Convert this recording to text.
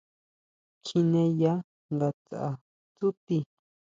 Kjineya ngatsʼa tsúti.